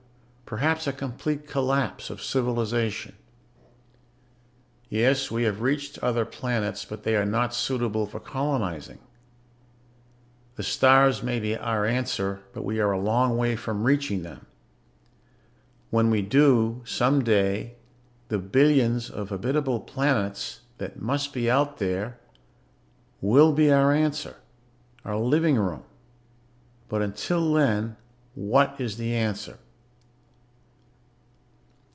Perhaps a complete collapse of civilization. "Yes, we have reached other planets, but they are not suitable for colonizing. The stars may be our answer, but we are a long way from reaching them. When we do, someday, the billions of habitable planets that must be out there will be our answer ... our living room. But until then, what is the answer?